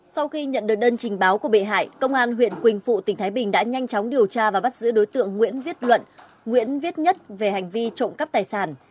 sau khi nhận được đơn trình báo của bị hại công an huyện quỳnh phụ tỉnh thái bình đã nhanh chóng điều tra và bắt giữ đối tượng nguyễn viết luận nguyễn viết nhất về hành vi trộm cắp tài sản